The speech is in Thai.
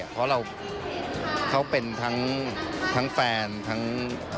เพราะเราเขาเป็นทั้งแฟนทั้ง